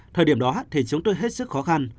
thời điểm đó thì chúng tôi hết sức khó khăn